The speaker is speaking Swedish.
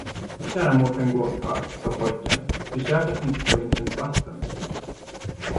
Kära Mårten gåskarl, sade pojken, försök att få dig en klunk vatten!